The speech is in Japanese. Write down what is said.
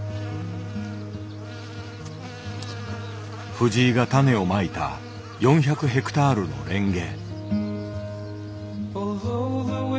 藤井が種をまいた４００ヘクタールのレンゲ。